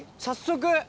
早速！